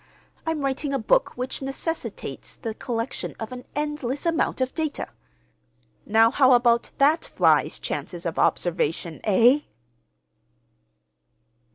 I'm writing a book which necessitates the collection of an endless amount of data. Now how about that fly's chances of observation. Eh?"